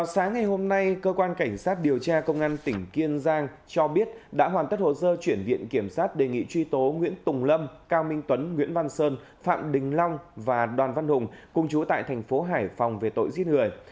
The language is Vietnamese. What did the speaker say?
sáng ngày hôm nay cơ quan cảnh sát điều tra công an tỉnh kiên giang cho biết đã hoàn tất hồ sơ chuyển viện kiểm sát đề nghị truy tố nguyễn tùng lâm cao minh tuấn nguyễn văn sơn phạm đình long và đoàn văn hùng cùng chú tại thành phố hải phòng về tội giết người